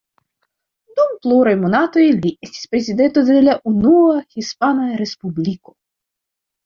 Dum pluraj monatoj li estis prezidento de la Unua Hispana Respubliko.